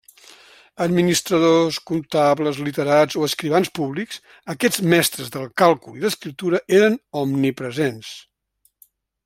Administradors, comptables, literats o escrivans públics, aquests mestres del càlcul i l'escriptura eren omnipresents.